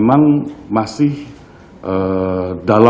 memang masih dalam